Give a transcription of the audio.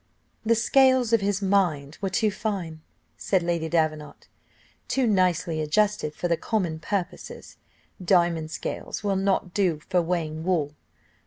"The scales of his mind were too fine," said Lady Davenant, "too nicely adjusted for common purposes; diamond scales will not do for weighing wool.